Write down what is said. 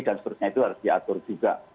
dan seterusnya itu harus diatur juga